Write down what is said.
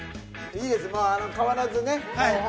いいです、変わらずね。